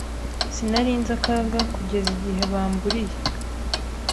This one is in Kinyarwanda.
Sinari nzi akaga kugeza igihe bamburiye.